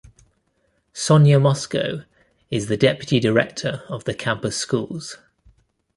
Sonya Mosco is the deputy director of the Campus Schools.